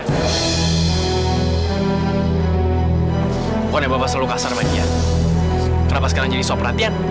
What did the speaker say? bukannya bapak selalu kasar sama dia kenapa sekarang jadi soal perhatian